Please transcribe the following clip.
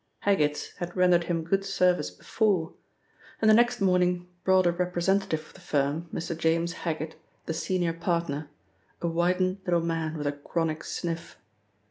Heggitts' had rendered him good service before, and the next morning brought a representative of the firm, Mr. James Heggitt, the senior partner, a widened little man with a chronic sniff.